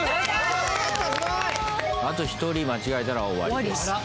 あと１人間違えたら終わりです。